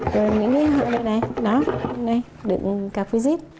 rồi những cái này nè đựng các visit